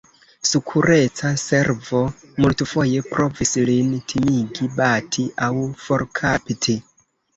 Sekureca Servo multfoje provis lin timigi, bati aŭ forkapti.